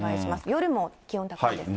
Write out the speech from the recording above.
夜も気温高めですね。